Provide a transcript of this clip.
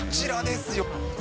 こちらですよ。